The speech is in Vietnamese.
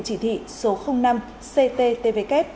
chỉ thị số năm cttvk